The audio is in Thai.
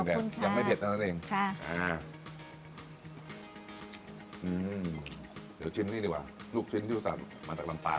ค่ะขอบคุณค่ะยังไม่เผ็ดนะนั่นเองค่ะอื้มเดี๋ยวชิ้นนี่ดีกว่าลูกชิ้นที่อุตส่าห์มาจากดำปลา